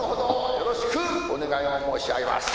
「よろしくお願いを申し上げます」